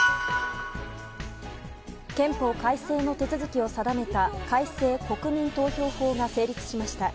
憲法改正の手続きを定めた改正国民投票法が成立しました。